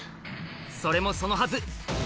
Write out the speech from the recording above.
それもそのはず